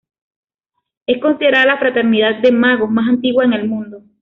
Es considerada la fraternidad de magos más antigua en el mundo.